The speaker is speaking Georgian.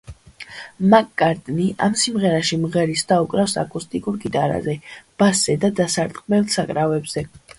მაკ-კარტნი ამ სიმღერაში მღერის და უკრავს აკუსტიკურ გიტარაზე, ბასზე და დასარტყმელ საკრავებზე.